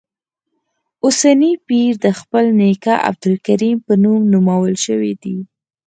اوسنی پیر د خپل نیکه عبدالکریم په نوم نومول شوی دی.